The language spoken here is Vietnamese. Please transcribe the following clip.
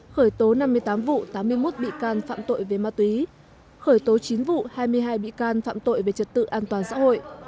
khởi tố năm mươi tám vụ tám mươi một bị can phạm tội về ma túy khởi tố chín vụ hai mươi hai bị can phạm tội về trật tự an toàn xã hội